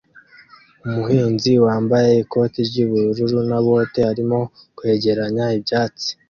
Umuhinzi wambaye ikoti ry'ubururu na bote arimo kwegeranya ibyatsi